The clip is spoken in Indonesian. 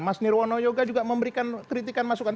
mas nirwono yoga juga memberikan kritikan masukan